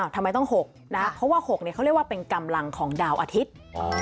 ทำไมต้อง๖นะเพราะว่า๖เขาเรียกว่าเป็นกำลังของดาวอาทิตย์